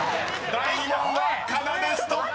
［第２問はかなでストップ！］